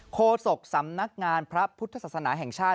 โศกสำนักงานพระพุทธศาสนาแห่งชาติ